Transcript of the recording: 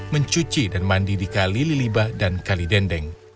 mencuci dan mandi di kali liliba dan kali dendeng